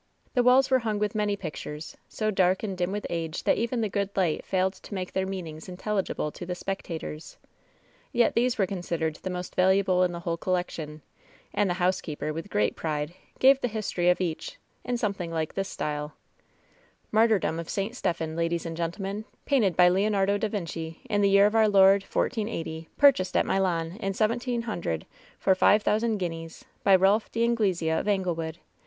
The walls were hung with many pictures, so dark and dim with age that even the good light failed to make their meanings intelligible to the spectators. Yet these were considered the most valuable in the whole collec tion, and the housekeeper, with great pride, gave the history of each, in something like this style : "Martyrdom of St. Stephen, ladies and gentlemen — painted by Leonardo da Vinci, in the year of our Lord LOVE'S BITTEREST CUP 9S5 1480, purchased at Milan in 1700 for five thousand guineas, by Ealph d^Anglesea of Anglewood.